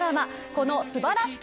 この素晴らしき